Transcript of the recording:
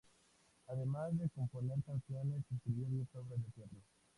Además de componer canciones, escribió diez obras de teatro.